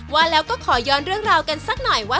ว่าแล้วก็ขอย้อนเรื่องราวกันสักหน่อยว่า